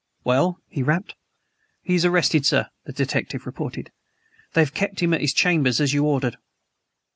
"Well?" he rapped. "He is arrested, sir," the detective reported. "They have kept him at his chambers as you ordered."